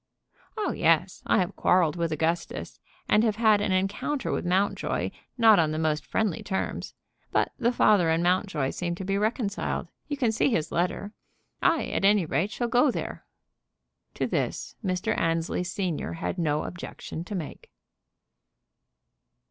"Oh yes; I have quarrelled with Augustus, and have had an encounter with Mountjoy not on the most friendly terms. But the father and Mountjoy seem to be reconciled. You can see his letter. I, at any rate, shall go there." To this Mr. Annesley senior had no objection to make.